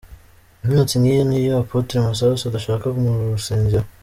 Imyotsi nk'iyi niyo Apotre Masasu adashaka mu rusengero.